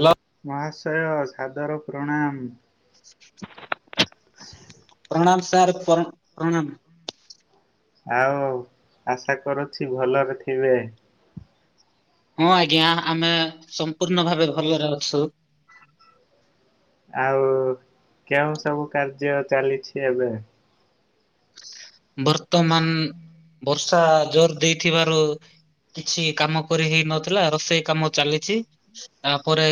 Hello. ମହାଶୟ ସାଦର ପ୍ରଣାମ। ପ୍ରଣାମ ସାର୍ ପ୍ର ପ୍ରଣାମ। ଆଉ ଆଶା କରୁଛି ଭଲରେ ଥିବେ। ହଁ ଆଜ୍ଞା ଆମେ ସମ୍ପୂର୍ଣ୍ଣ ଭାବେ ଭଲରେ ଅଛୁ। ଆଉ କେଉଁ ସବୁ କାର୍ଯ୍ୟ ଚାଲିଛି ଏବେ ବର୍ତ୍ତମାନ ବର୍ଷା ଜୋର ଦେଇଥିବାରୁ କିଛି କାମ କରି ହେଇନଥିଲା ରୋଷେଇ କାମ ଚାଲିଛି। ତାପରେ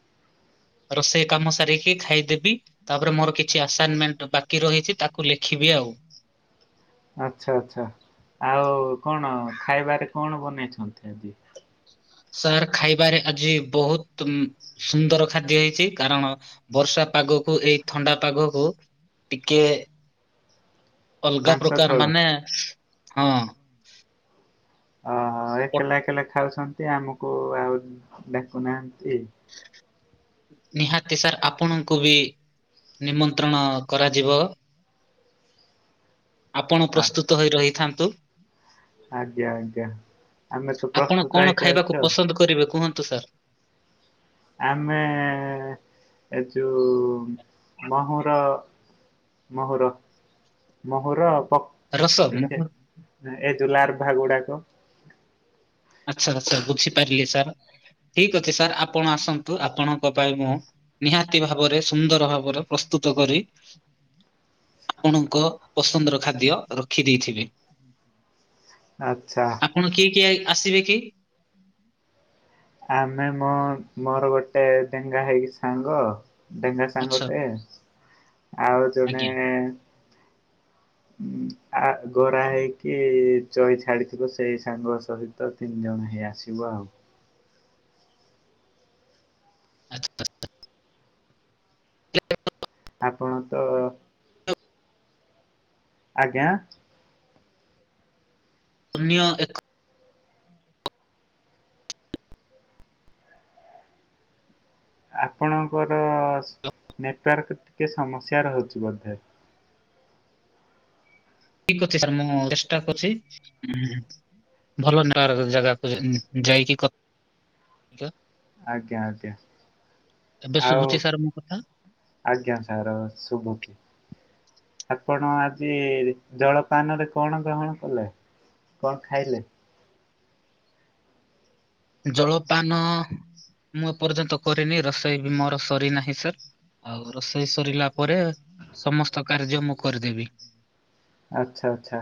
ହ [unintelligible] ରୋଷେଇ କାମ ସାରିକି ଖାଇଦେବି? ତାପରେ ମୋର କିଛି ଆସାନମେଣ୍ଟ ବାକି ରହିଛି ତାକୁ ଲେଖିବି ଆଉ। ଆଚ୍ଛା ଆଛା ଆଉ କଣ ଖାଇବାରେ କଣ ବନେଇଛନ୍ତି ଆଜିି। ସାର୍ ଖାଇବାରେ ଆଜି ବହୁତ୍ ସୁନ୍ଦର ଖାଦ୍ୟ ହେଇଛି କାରଣ ବର୍ଷା ପାଗକୁ ଏଇ ଥଣ୍ଡା ପାଗକୁ ଟିକେ ଅଲଗା ମାଂସ ପ୍ରକାର ଝୋଳ। ମାନେ ହଁ। ଓହୋ ପ- ଏକଲା ଏକଲା ଖାଉଛନ୍ତି ଆମକୁ ଆଉ ଡାକୁନାହାନ୍ତି [unintelligible] ନିହାତି ସାର୍ ଆପଣଙ୍କୁ ବି ନିମନ୍ତ୍ରଣ କରାଯିବ ଆପଣ ଆ ପ୍ରସ୍ତୁତ ହୋଇ ରହିଥାନ୍ତୁ ଆଜ୍ଞା ଆଜ୍ଞା ଆମେ ତ ଆପଣ ପ୍ରସ୍ତୁତ କଣ ହେଇ କି ଖାଇବାକୁ ଅଛୁ ଆଉ। ପସନ୍ଦ କରିବେ କୁହନ୍ତୁ ସାର୍? ଆମେ ଏ ଯଉ ମହୁର। ମହୁର ମହୁର ଆଉପ ରସ ମୁଁ ଏସେ ଏଜୁ ଲାର୍ଭା ଭା ଗୁଡାକ। ଆଚ୍ଛା ଆଛା ବୁଝିପାରିଲି ସାର୍ ଠିକ ଅଛି ସାର୍ ଆପଣ ଆସନ୍ତୁ ଆପଣଙ୍କ ପାଇଁ ମୁଁ ନିହାତି ଭାବରେ ସୁନ୍ଦର ଭାବରେ ପ୍ରସ୍ତୁତ କରି ଆପଣଙ୍କ ପସନ୍ଦର ଖାଦ୍ୟ ରଖି ଦେଇଥିବି ଆଚ୍ଛା ଆପଣି କିଏ କିଏ ଆସିବେ କି? ଆମେ ମ ମୋର ଗୋଟେ ଡେଙ୍ଗା ହେଇକି ସାଙ୍ଗ। ଡେଙ୍ଗା ଆଚ୍ଛା ସାଙ୍ଗଟେ ଆଉ ଜଣେ ଆଜ୍ଞା ଆ ଗୋରା ହେଇକି ଚଇ ଛାଡିଥିବ ସେଇ ସାଙ୍ଗ ସହି ତ ତିନି ଜଣ ହେଇଆସିବ ଆଉ। [inaudible] [unintelligible] ଆପଣ ତ ଆଜ୍ଞା ପୁନ୍ୟ ଏକ ଆପଣଙ୍କର ନେଟୱାର୍କ ଟିକେ ସମସ୍ୟା ରହୁଛି ବୋଧେ ଠିକ ଅଛି ସାର୍ ମୁଁ ଚେଷ୍ଟା କରୁଛି ହୁଁ ଭଲ ନେଟଓର୍କର ଜାଗାକୁ ଯାଇକି କ ଆଜ୍ଞା ଆଜ୍ଞା ଏବେ ଆଉ ଶୁଭୁଚି ସାର୍ ମୋ କଥା ଆଜ୍ଞା ସାର୍ ଶୁଭୁଛି ଆପଣ ଆଜି ଜଳପାନରେ କଣ ଗ୍ରହଣ କଲେ? କଣ ଖାଇଲେ ଜଳପାନ ମୁଁ ଏପର୍ଯ୍ୟନ୍ତ କରିନି ରୋଷେଇ ବି ମୋର ସରିନାହିଁ ସାର୍ ଆଉ ରୋଷେଇ ସରିଲା ପରେ ସମସ୍ତ କାର୍ଯ୍ୟ ମୁଁ କରିଦେବି ଆଚ୍ଛା ଆଚ୍ଛା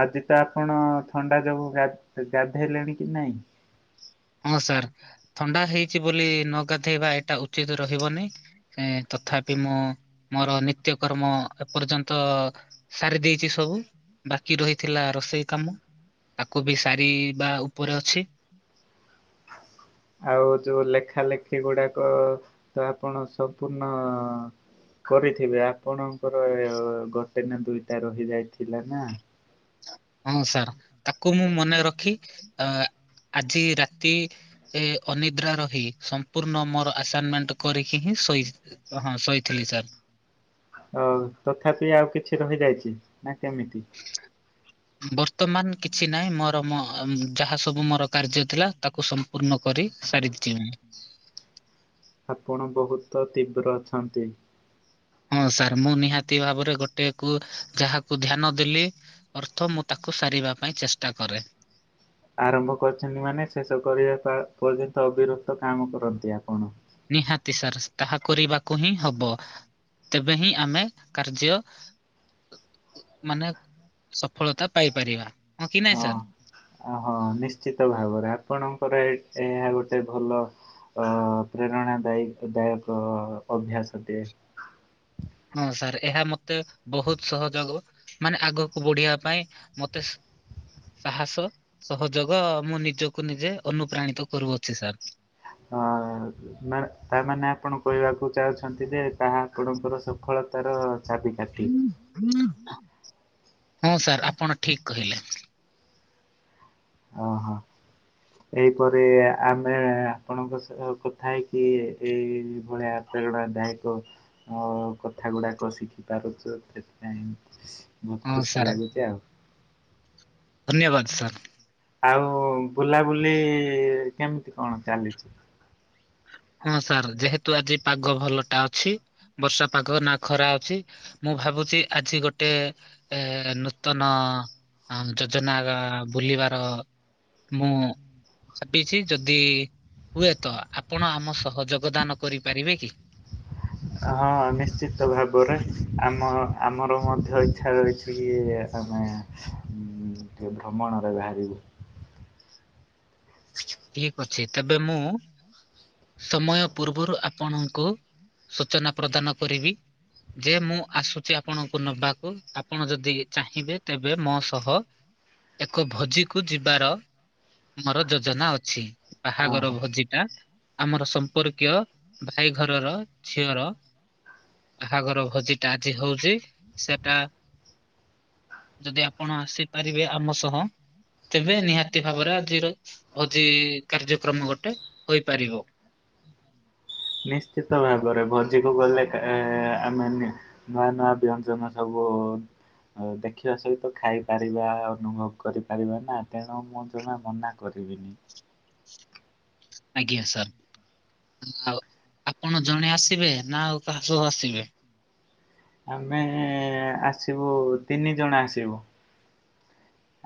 ଆଜି ତ ଆପଣ ଥଣ୍ଡା ଯୋଗୁ ଗା ଗାଧେଇଲେଣି କି ନାଇଁ? ହଁ ସାର୍ ଥଣ୍ଡା ହେଇଛି ବୋଲି ନ ଗାଧେଇବା ଏଇଟା ଉଚିତ ରହିବନି ହେଁ ତଥାପି ମୁଁ ମୋର ନିତ୍ୟ କର୍ମ ଏପର୍ଯ୍ୟନ୍ତ ସାରି ଦେଇେଇଛି ସବୁ ବାକି ରହିଥିଲା ରୋଷେଇ କାମ ତାକୁ ବି ସାରି ବା ଉପରେ ଅଛି ଆଉ ଯୋଉ ଲେଖା ଲେଖି ଗୁଡାକ ତ ଆପଣ ସମ୍ପୂର୍ଣ୍ଣ କରିଥିବେ ଆପଣଙ୍କର ଗୋଟେ ନା ଦୁଇଟା ରହିଯାଇଥିଲା ନା ହଁ ସାର୍ ତାକୁ ମୁଁ ମନେ ରଖି ଅ ଆଜି ରାତି ଏ ଅନିଦ୍ରା ରହି ସମ୍ପୂର୍ଣ୍ଣ ମୋର ଆସାଇନମେଣ୍ଟ କରିକି ହିଁ ଶୋଇ ହଁ ଶୋଇଥିଲି ସାର୍ ଅ ତଥାପି ଆଉ କିଛି ରହିଯାଇଛି ନା କେମିତି ବର୍ତ୍ତମାନ କିଛି ନାହିଁ ମୋର ମୋ ଅମ୍ ଯାହା ସବୁ ମୋର କାର୍ଯ୍ୟ ଥିଲା ତାକୁ ସମ୍ ପୂର୍ଣ୍ଣ କରି ସାରିଚି ମୁଁ। ଆପଣ ବହୁତ ତୀବ୍ର ଅଛନ୍ତି। ହଁ ସାର୍ ମୁଁ ନିହାତି ଭାବରେ ଗୋଟେ କୁ ଯାହାକୁ ଧ୍ୟାନ ଦେଲି। ଅର୍ଥ ମୁଁ ତାକୁ ସାରିବା ପାଇଁ ଚେଷ୍ଟା କରେ। ଆରମ୍ଭ କରିଛନ୍ତି ମାନେ ଶେଷ କରିବା ତ ପର୍ଯ୍ୟନ୍ତ ଅବିରକ୍ତ କାମ କରନ୍ତି ଆପଣ। ନିହାତି ସାର ତାହା କରିବାକୁ ହିଁ ହବ। ତେବେ ହିଁ ଆମେ କାର୍ଯ୍ୟ। ଉ ଉ ମାନେ ସଫଳତା ପାଇ ପାରିବା ହଁ କି ନାଇଁ ସାର୍। ଅ ହ ନିଶ୍ଚିତ ଭାବରେ ଆପଣଙ୍କର ଏହି ଏହା ଗୋଟେ ଭଲ। ଅ ପ୍ରେରଣା ଦାୟି ଦାୟକ ଅଭ୍ୟାସ ଦିଏ। ହଁ ସାର୍ ଏହା ମତେ ବହୁତ ସହଯୋଗ। ମାନେ ଆଗକୁ ବଢିବା ପାଇଁ ମତେ। ସାହସ ସହଯୋଗ ମୁଁ ନିଜକୁ ନିଜେ ଅନୁପ୍ରାଣିତ କରୁଅଛି ସାର୍। ହଁ। ମାନେ ତା ମାନେ ଆପଣ କହିବାକୁ ଚାହୁଁଛନ୍ତି ଯେ ତାହା ଆପଣଙ୍କର ସଫଳତାର। ଚାବି କାଠି। ହଁ ସାର୍ ଆପଣ ଠିକ କହିଲେ। ଓ ହଁ। ଏହିପରି ଆମେ ଆପଣଙ୍କ ସହ କଥା ହେଇକି ଏଇ ଭଳିଆ। ପ୍ରେରଣା ଦାୟକ ମୋ କଥା ଗୁଡ଼ାକ ଶିଖିପାରୁଛୁ ସେଥିପାଇଁ। ବହୁତ ହଁ ଖୁସି ସାର୍ ଲାଗୁଚି ଆଉ। ଧନ୍ୟବାଦ ସାର୍। ଆଉ ବୁଲାବୁଲି କେମିତି କଣ ଚାଲିଛି। ହଁ ସାର୍ ଯେହେତୁ ଆଜି ପାଗ ଭଲ ଟା ଅଛି ବର୍ଷା ପାଗ ନା ଖରା ଅଛି। ମୁଁ ଭାବୁଛି ଆଜି ଗୋଟେ ଏ ନୂତନ। ହଁ ଯୋଜନା ଆକା ବୁଲିବାର। ମୁଁ ଚାବିଛି ଯଦି ହୁଏ ତ ଆପ୍ ଆପଣ ଆମ ସହ ଯୋଗଦାନ କରିପାରିବେ କି। ହଁ ନିଶ୍ଚିତ ଭାବରେ ଆମ ଆମର ମଧ୍ୟ ଇଚ୍ଛା ରହିଛି କି ଆମେ। ହୁଁ ଟିକେ ଭ୍ରମଣରେ ବାହାରିବୁ। ଠିକ ଅଛି ତେବେ ମୁଁ। ସମୟ ପୂର୍ବରୁ ଆପଣଙ୍କୁ ସୂଚନା ପ୍ରଦାନ କରିବି। ଯେ ମୁଁ ଆସୁଛି ଆପଣଙ୍କୁ ନବାକୁ ଆପଣ ଯଦି ଚାହିଁବେ ତେବେ ମୋ ସହ। ଏକ ଭୋଜି କୁ ଯିବାର ମୋର ଯୋଜନା ଅ ଛି ବାହାଘର ଓହୋ ଭୋଜି ଟା। ଆମର ସମ୍ପର୍କୀୟ ଭାଇ ଘରର ଝିଅର। ବାହାଘର ଭୋଜି ଟା ଆଜି ହଉଛି ସେଟା। ଯଦି ଆପଣ ଆସିପାରିବେ ଆମ ସହ ତେବେ ନିହାତି ଭାବରେ ଆଜିର ଭୋ ଜି କାର କାର୍ଯ୍ୟକ୍ରମ ଗୋଟେ ହୋଇପାରିବ। ନିଶ୍ଚିତ ଭାବରେ ଭୋଜିକୁ ଗଲେ କେ ଆମେ ନେ। ନୂଆ ନୂଆ ବ୍ୟଞ୍ଜନ ସବୁ। ଦେଖିବା ସହିତ ଖାଇ ପାରିବା ଅନୁଭବ କରିପାରିବା ନା ତେଣୁ ମୁଁ ଜମା ମନା। କରିବିନି। ଆଜ୍ଞା ସାର୍। ଆଉ ଆପଣ ଜଣେ ଆସିବେ ନା ଆଉ କାହା ସବୁ ଆସିବେ। ଆମେ ଆସିବୁ ତିନି ଜଣ ଆସିବୁ।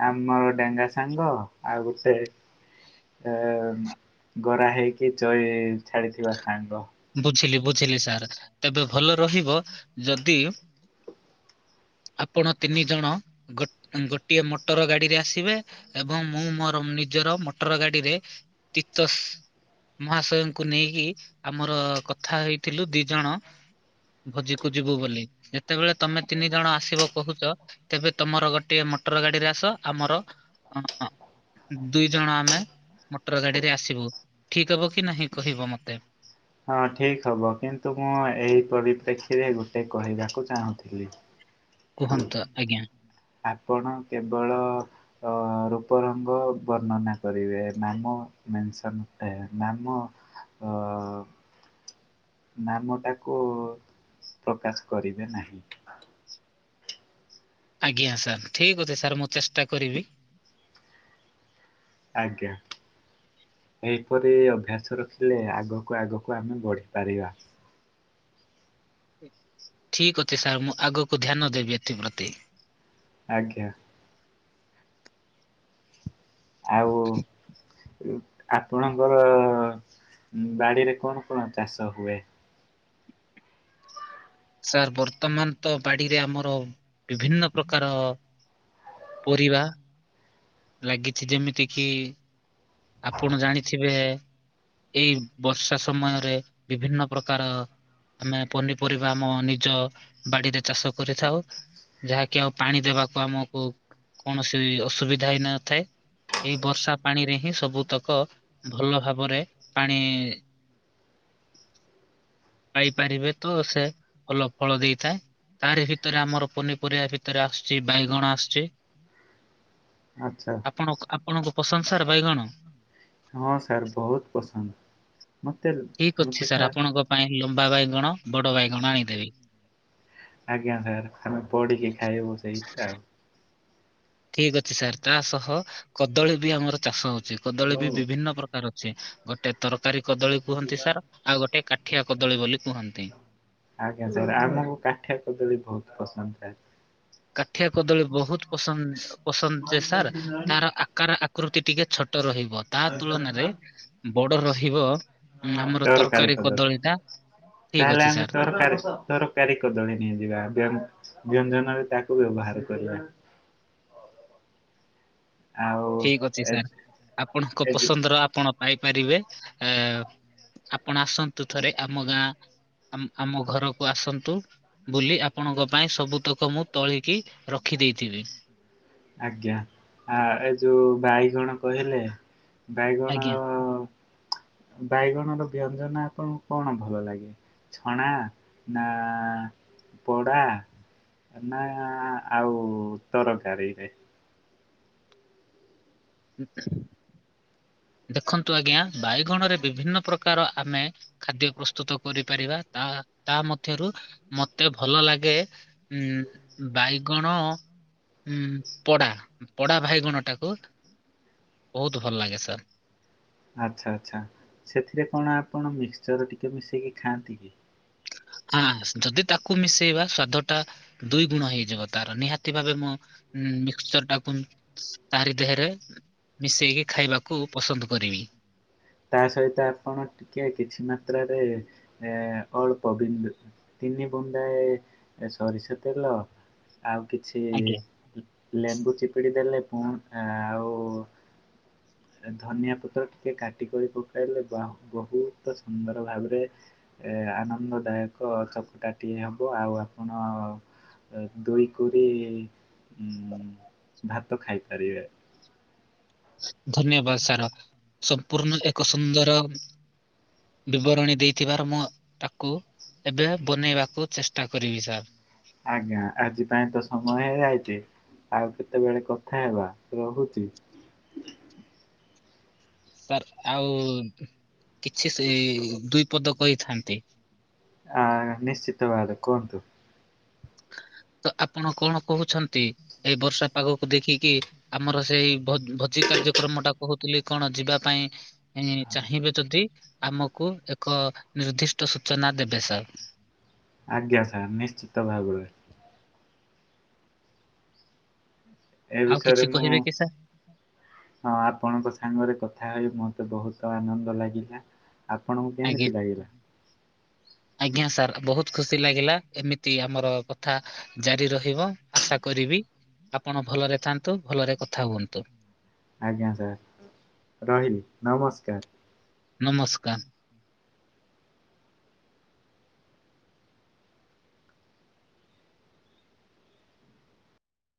ଆମର ଡେଙ୍ଗା ସାଙ୍ଗ ଆଉ ଗୋଟେ। ଏ ଗରା ହେଇକି ଚଇ ଛାଡିଥିବା ସାଙ୍ଗ। ବୁଝିଲି ବୁଝିଲି ସାର୍ ତେବେ ଭଲ ରହିବ ଯଦି। ଆପଣ ତିନି ଜଣ ଗୋଟିଏ ମୋଟର ଗାଡିରେ ଆସିବେ। ଏବଂ ମୁଁ ମୋର ନିଜର ମୋଟର ଗାଡିରେ ତୀତ। ମହାଶୟଙ୍କୁ ନେଇକି ଆମର କଥା ହେଇଥିଲୁ ଦି ଜଣ। ଭୋଜିକୁ ଯିବୁ ବୋଲି ଯେତେବେଳେ ତମେ ତିନି ଜଣ ଆସିବ କହୁଛ। ତେବେ ତମର ଗୋଟେ ମୋଟର ଗାଡିରେ ଆସ ଆମର ଅ। ଦୁଇ ଜଣ ଆମେ ମୋଟର ଗାଡିରେ ଆସିବୁ ଠିକ ହବ କି ନାହିଁ କହିବ ମତେ? ହଁ ଠିକ ହବ କିନ୍ତୁ ମୁଁ ଏହି ପରିପ୍ରେକ୍ଷୀରେ ଗୋଟେ କହିବାକୁ ଚାହୁଁଥିଲି। କୁହନ୍ତୁ ଆଜ୍ଞା। ଆପଣ କେବଳ। ରୂପ ରଙ୍ଗ ବର୍ଣ୍ଣନା କରିବେ ନାମ ମେସନ ନାମ। ହ ନାମଟାକୁ ପ୍ରକାଶ କରିବେ ନାହିଁ‌। ଆଜ୍ଞା ସାର୍ ଠିକ୍ ଅଛି ସାର୍ ମୁଁ ଚେଷ୍ଟା କରିବି। ଆଜ୍ଞା ଏହିପରି ଅଭ୍ୟାସ ରଖିଲେ ଆଗକୁ ଆଗକୁ ଆମେ ବଢ଼ିପାରିବା। ଠିକ ଅଛି ସାର୍ ମୁଁ ଆଗକୁ ଧ୍ୟାନ ଦେବି ଏଥିପ୍ରତି। ଆଜ୍ଞା। ଆଉ ଆପଣଙ୍କର ବାଡିରେ କଣ କଣ ଚାଷ ହୁଏ? ସାର୍ ବର୍ତ୍ତମାନ ତ ବାଡିରେ ଆମର। ବିଭିନ୍ନ ପ୍ରକାର ପରିବା। ଲାଗିଛି ଯେମିତି କିି ଆପଣ ଜାଣିଥିବେ। ଏଇ ବର୍ଷା ସମୟରେ ବିଭିନ୍ନ ପ୍ରକାର। ଆମେ ପନିପରିବା ଆମ ନିଜ ବାଡ଼ିରେ ଚାଷ କରିଥାଉ ଯାହାକି ଆଉ। ପାଣି ଦେବାକୁ ଆମକୁ କୌଣସି ବି ଅସୁବିଧା ହେଇ ନଥାଏ। ଏଇ ବର୍ଷା ପାଣି ରେ ହିଁ ସବୁତକ ଭଲ ଭାବରେ। ପାଣି। [inaudible] ପାଇପାରିବେ ତ ସେ ଭଲ ଫଳ ଦେଇଥାଏ। ତାରି ଭିତରେ ଆମର ପନିପରିବା ଭିତରେ ଆସୁଛି ବାଇଗଣ ଆସୁଛି। ଆଚ୍ଛା। ଆପଣ ଆପଣଙ୍କୁ ପସନ୍ଦ ସାର୍ ବାଇଗଣ। ହଁ ସାର୍ ବହୁତ୍ ପସନ୍ଦ୍। ମତେ। ଠିକ ଅଛି ସାର୍ ଆପଣଙ୍କ ପାଇଁ ଲମ୍ବା ବାଇଗଣ। ବଡ଼ ବାଇଗଣ ଆଣିଦେବି। ଆଜ୍ଞା ସାର୍ ଆମେ ପୋଡ଼ିକି ଖାଇବୁ ସେଇଟା ଆଉ। ଠିକ ଅଛି ସାର୍ ତା ସହ କଦଳୀ ବି ଆମର ଚାଷ ହଉଛି କଦଳୀ ବି ବିଭିନ୍ନ ପ୍ରକାର ଅଛି। ଗୋଟେ ତରକାରୀ କଦଳୀ କୁହନ୍ତି ସାର୍ ଆଉ ଗୋଟେ କାଠିଆ କଦଳୀ ବୋଲି କୁହନ୍ତି। ଆଜ୍ଞା ସାର୍ ଆମକୁ କାଠିଆ କଦଳୀ ବହୁତ ପସନ୍ଦ ଥାଏ। କାଠିଆ କଦଳୀ ବହୁତ ପସନ୍ଦ ପସନ୍ଦ ଯେ ସାର୍ ତାର ଆକାର ଆ। ଆକୃତି ଟିକେ ଛୋଟ ରହିବ। ତା ତୁଳନାରେ ବଡ଼ ରହିବ ଉ-ଆମର ତରକାରୀ କଦଳୀ ଟା। ଠିକ ତାହେଲେ ଅଛି ଆମେ ସାର୍ ତରକାରୀ। ତରକାରୀ କଦଳୀ ନେଇଯିବା ବ୍ୟ-ବ୍ୟଞ୍ଜନରେ ତାକୁ ବ୍ୟବହାର କରିବା। ଆଉ ଠିକ ଅଛି ଏ ସାର୍ ଆପଣଙ୍କ ଏ ଯୋଉ ପସନ୍ଦର ଆପଣ। ପାଇପାରିବେ ଆ ଆପଣ ଆସନ୍ତୁ ଥରେ ଆମ ଗାଁ। ଆମ୍-ଆମ ଘରକୁ ଆସନ୍ତୁ। ବୁଲି ଆପଣଙ୍କ ପାଇଁ ସବୁତକ ମୁଁ ତୋଳିକି ରଖିଦେଇଥିବି। ଆଜ୍ଞା ଆ-ଏ ଯୋଉ ବାଇଗଣ କହିଲେ। ବାଇଗଣ ଆଜ୍ଞା ଆଉ ବାଇଗଣର ବ୍ୟଞ୍ଜନ ଆପଣଙ୍କୁ କଣ ଭଲ ଲାଗେ। ଛଣା ନା ପଡ଼ା। ନା ଆଉ ତରକାରୀ ରେ। ହୁଁ। ଦେଖନ୍ତୁ ଆଜ୍ଞା ବାଇଗଣରେ ବିଭିନ୍ନ ପ୍ର- କାର ଆମେ ଖାଦ୍ୟ ପ୍ରସ୍ତୁତ କରିପାରିବା ତା-ତା ମଧ୍ୟରୁ। ମତେ ଭଲ ଲାଗେ ଉ-ବାଇଗଣ। ହୁଁ ପଡ଼ା ପଡ଼ା ଭାଇଗଣ ଟାକୁ ବହୁତ ଭଲ ଲାଗେ ସାର୍। ଆଚ୍ଛା ଆଚ୍ଛା ସେଥିରେ କଣ ଆପଣ ମିକ୍ସଚର ଟିକେ ମିଶେଇକି ଖାଆନ୍ତି କି। ଆ ଯଦି ତାକୁ ମିଶେଇବା ସ୍ଵାଦ ଟା ଦୁଇ ଗୁଣ ହେଇଯିବ ତାର ନିହାତି ଭାବେ ମୁଁ। ହୁଁ ମିକ୍ସଚର ଟାକୁ ତାରି ଦେହରେ। ମିଶେଇକି ଖାଇବାକୁ ପସନ୍ଦ କରିବି। ତା ସହିତ ଆପଣ ଟିକେ କିଛି ମାତ୍ରାରେ ଏ-ଅଳପ ବିନ୍ଦୁ ତିନି ବୁନ୍ଦାଏ ଏ-ସରିଷ ତେଲ। ଆଉ କିଛି ଆଜ୍ଞା ଲେମ୍ବୁ ଚିପିଡ଼ି ଦେଲେ ପୁଣି ଆଉ। ଧନିଆ ପତ୍ର ଟିକେ କାଟିିକରି ପକାଇଲେ ବାହୁ ବହୁତ ସୁନ୍ଦର ଭାବରେ। ଏ-ଆନନ୍ଦଦାୟକ ଚକଟାଟିଏ ହେବ ଆଉ ଆପଣ। ଏ ଦୁଇକୁରି ଉଁ ଭାତ ଖାଇପାରିବେ। ଧନ୍ୟବାଦ ସାର ସମ୍ପୂର୍ଣ୍ଣ ଏକ ସୁନ୍ଦର। ବିବରଣୀ ଦେଇଥିବାର ମୁଁ ତାକୁ। ଏବେ ବନେଇବାକୁ ଚେଷ୍ଟା କରିବି ସାର୍। ଆଜ୍ଞା ଆଜି ପାଇଁ ତ ସମୟ ହେଇଯାଇଛି। ଆଉ କେତେବେଳେ କଥା ହେବା ରହୁଛି। ସାର୍ ଆଉ କିଛି ସେ ଦୁଇ ପଦ କହିଥାନ୍ତି ଆ ନିଶ୍ଚିତ ବାଦ କୁହନ୍ତୁ ତ ଆପଣ କଣ କହୁଛନ୍ତି ଏଇ ବର୍ଷା ପାଗକୁ ଦେଖିକି ଆମର ସେଇ ଭ ଭୋଜି କାର୍ଯ୍ୟକ୍ରମ ଟା କହୁଥିଲି କଣ ଯିବା ପାଇଁ ଚାହିଁବେ ଯଦି ଆମକୁ ଏକ ନିର୍ଦ୍ଦିଷ୍ଟ ସୂଚନା ଦେବେ ସାର୍ ଆଜ୍ଞା ସାର୍ ନିଶ୍ଚିତ ଭାବରେ ଏ ଆଉ କିଛି ବିଷୟରେ ମୁଁ କହିବେ କି ସାର୍? ହଁ ଆପଣଙ୍କ ସାଙ୍ଗରେ କଥା ହୋଇ ମୋତେ ବହୁତ ଆନନ୍ଦ ଲାଗିଲା ଆପଣଙ୍କୁ ଆଜ୍ଞା। କେମିତି ଲାଗିଲା? ଆଜ୍ଞା ସାର୍ ବହୁତ ଖୁସି ଲାଗିଲା ଏମିତି ଆମର କଥା ଜାରି ରହିବ ଆଶା କରିବି ଆପଣ ଭଲରେ ଥାନ୍ତୁ ଭଲରେ କଥା ହୁଅନ୍ତୁ ଆଜ୍ଞା ସାର୍ ରହିଲି ନମସ୍କାର। ନମସ୍କାର।